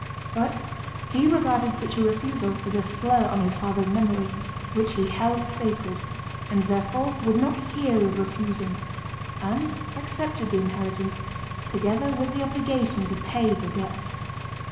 But he regarded such a refusal as a slur on his father's memory, which he held sacred, and therefore would not hear of refusing and accepted the inheritance together with the obligation to pay the debts.